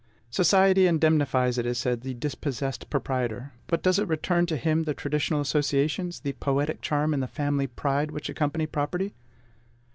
Society indemnifies, it is said, the dispossessed proprietor; but does it return to him the traditional associations, the poetic charm, and the family pride which accompany property?